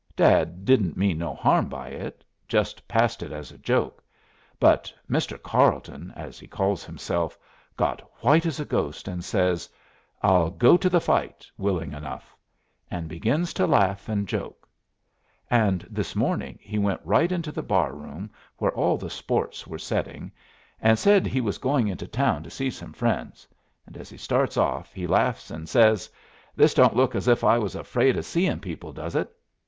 Dad didn't mean no harm by it, just passed it as a joke; but Mr. Carleton, as he calls himself, got white as a ghost an' says, 'I'll go to the fight willing enough,' and begins to laugh and joke. And this morning he went right into the bar room, where all the sports were setting, and said he was going into town to see some friends; and as he starts off he laughs an' says, 'This don't look as if I was afraid of seeing people, does it?'